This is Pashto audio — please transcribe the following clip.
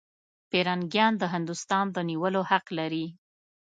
پیرنګیان د هندوستان د نیولو حق لري.